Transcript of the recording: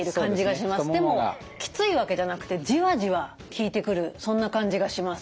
でもきついわけじゃなくてじわじわ効いてくるそんな感じがします。